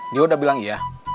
dia udah bilang iya